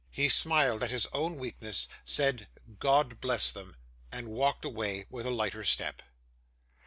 He smiled at his own weakness; said 'God bless them!' and walked away with a lighter step.